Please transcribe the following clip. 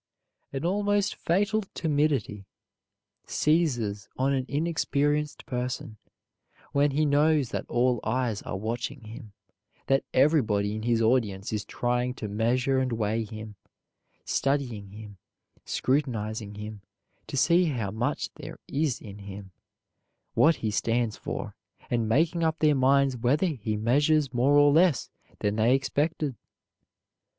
An almost fatal timidity seizes on an inexperienced person, when he knows that all eyes are watching him, that everybody in his audience is trying to measure and weigh him, studying him, scrutinizing him to see how much there is in him; what he stands for, and making up their minds whether he measures more or less than they expected.